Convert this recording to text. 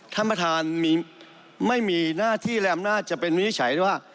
ท่านประธานไม่มีหน้าที่แรมหน้าจะเป็นมิจฉัยว่า